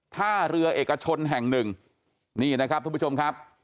ท่าเรือเอกชนแห่งหนึ่งนี่นะครับทุกผู้ชมครับ